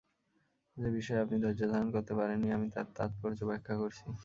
যে বিষয়ে আপনি ধৈর্যধারণ করতে পারেন নি আমি তার তাৎপর্য ব্যাখ্যা করছি।